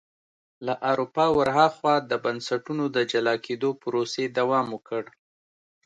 له اروپا ور هاخوا د بنسټونو د جلا کېدو پروسې دوام ورکړ.